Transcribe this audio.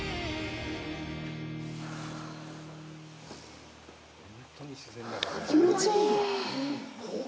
はあ、気持ちいい。